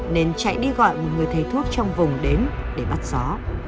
nên chạy đi gọi một người thầy thuốc trong vùng đến để bắt gió